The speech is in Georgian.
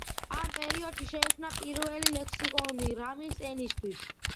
ამ პერიოდში შეიქმნა პირველი ლექსიკონი რამის ენისთვის.